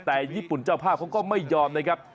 แต่ญี่ปุ่นเจ้าภาพเขาก็ไม่ยอมนะครับ